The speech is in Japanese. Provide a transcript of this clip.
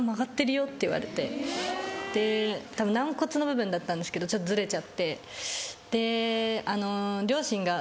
たぶん軟骨の部分だったんですけどちょっとずれちゃって。